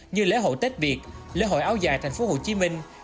như lễ hội tết việt lễ hội áo dài